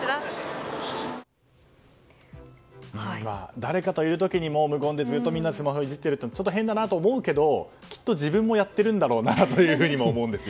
誰かといる時にも、無言でずっとみんなでスマホをいじっているのは変だなと思うけどきっと自分もやってるんだろうなとも思うんですよ。